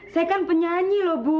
saya kan penyanyi loh bu